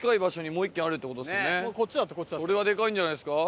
それはでかいんじゃないですか？